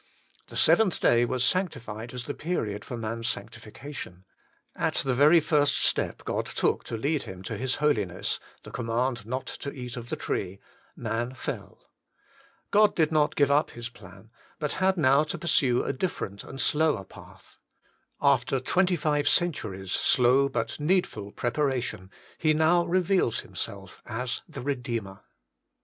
The seventh day was sanctified as the period for man's sanctification. At the very first step God took to lead him to His Holiness the command not to eat of the tree man fell. God did not give up His plan, but had now to pursue a different and slower path. After twenty five centuries' slow but needful preparation, He now reveals Himself as the Redeemer.